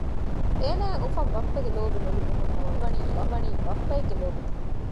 އޭނާއަށް އުފަން ބައްޕަގެ ލޯބި ނުލިބުން ނަމަވެސް ނީލްވަނީ ބައްޕައެއްގެ ލޯބި ދީފަ